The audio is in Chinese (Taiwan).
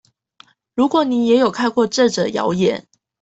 如果你也有看過這則謠言